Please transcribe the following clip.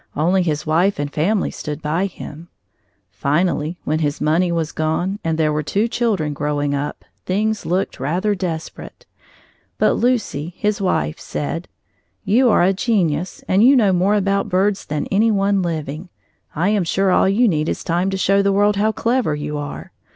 Only his wife and family stood by him. Finally when his money was gone, and there were two children growing up, things looked rather desperate. But Lucy, his wife, said: "You are a genius, and you know more about birds than any one living. I am sure all you need is time to show the world how clever you are.